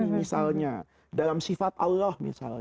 misalnya dalam sifat allah